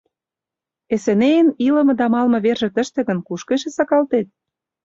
Эсенейын илыме да малыме верже тыште гын, кушко эше сакалтет?